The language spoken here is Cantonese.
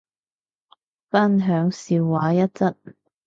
分享笑話一則